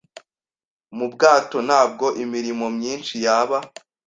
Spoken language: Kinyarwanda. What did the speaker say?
mubwatoNtabwo imirimo myinshi yaba